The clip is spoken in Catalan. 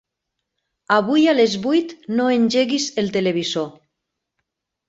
Avui a les vuit no engeguis el televisor.